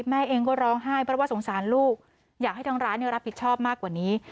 แม่เองก็ร้องไห้เพราะว่าสงสารลูกอยากให้ทางร้านรับผิดชอบมากกว่านี้